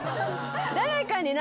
誰かに。